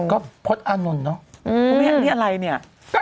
ก็พสต์อนหนุนนยังลดอีก